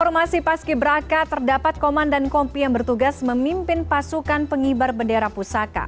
formasi paskiberaka terdapat komandan kompi yang bertugas memimpin pasukan pengibar bendera pusaka